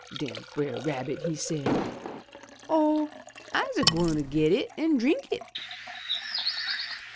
* Den Brer Rabbit he say, 'Oh, Fse gwine get it an' drink it!